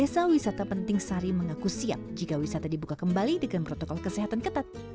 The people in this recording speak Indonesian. desa wisata penting sari mengaku siap jika wisata dibuka kembali dengan protokol kesehatan ketat